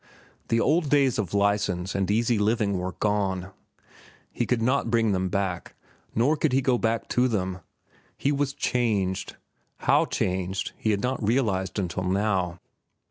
The old days of license and easy living were gone. He could not bring them back, nor could he go back to them. He was changed—how changed he had not realized until now.